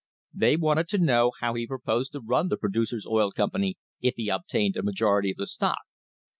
They wanted to know how he proposed to run the Producers' Oil Company if he obtained a majority of the stock.